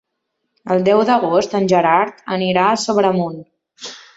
El deu d'agost en Gerard anirà a Sobremunt.